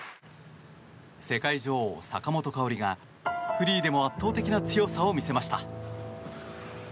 世界女王、坂本花織がフリーでも圧倒的な強さを見せました。